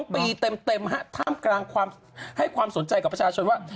๒ปีเต็มท่ามกลางความให้ความสนใจกับประชาชนว่า